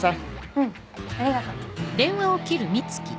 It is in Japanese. うんありがと。